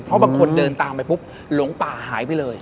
เพราะบางคนเดินตามไปปุ๊บหลงป่าหายไปเลย